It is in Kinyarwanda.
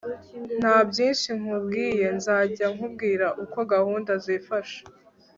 nta byinshi nkubwiye nzajya nkubwira uko gahunda zifashe